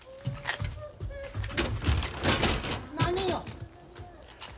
何よ？